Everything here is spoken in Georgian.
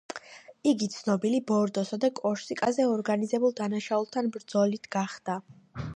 იგი ცნობილი ბორდოსა და კორსიკაზე ორგანიზებულ დანაშაულთან ბრძოლით გახდა.